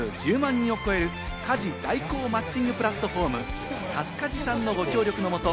人を超える家事代行マッチングプラットフォーム・タスカジさんのご協力のもと